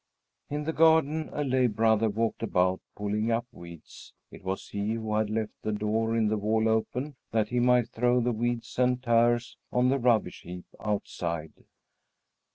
In the garden a lay brother walked about, pulling up weeds. It was he who had left the door in the wall open, that he might throw the weeds and tares on the rubbish heap outside.